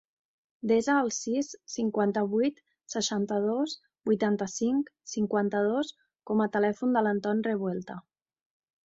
Desa el sis, cinquanta-vuit, seixanta-dos, vuitanta-cinc, cinquanta-dos com a telèfon de l'Anton Revuelta.